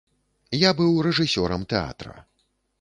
Я быў рэжысёрам тэатра.